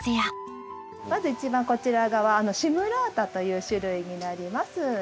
まず一番こちら側シムラータという種類になります。